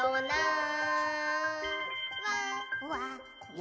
「わ！」